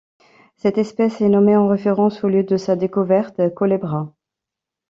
Cette espèce est nommée en référence au lieu de sa découverte, Culebra.